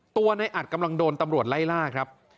ตัวในอัดกำลังโดนตำรวจไล่ล่าครับ